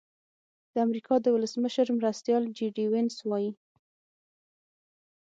د امریکا د ولسمشر مرستیال جي ډي وینس وايي.